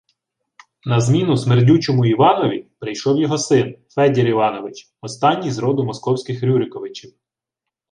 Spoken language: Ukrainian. На зміну «смердючому» Іванові прийшов його син – Федір Іванович, останній із роду московських Рюриковичів